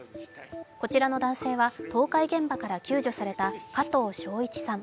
こちらの男性は倒壊現場から救助された加藤省一さん。